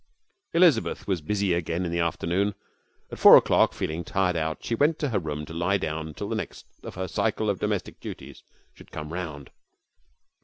Elizabeth was busy again in the afternoon. At four o'clock, feeling tired out, she went to her room to lie down until the next of her cycle of domestic duties should come round.